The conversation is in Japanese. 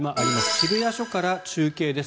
渋谷署から中継です。